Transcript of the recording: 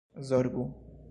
zorgu